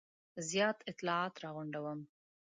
زیات اطلاعات را غونډوم.